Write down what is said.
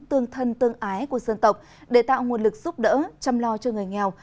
tương thân tương ái của dân tộc để tạo nguồn lực giúp đỡ chăm lo cho người nghèo